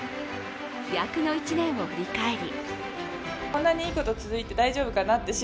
飛躍の１年を振り返り